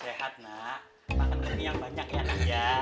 sehat nak makan demi yang banyak ya nanti ya